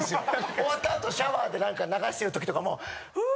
終わったあとシャワーでなんか流してる時とかもフー！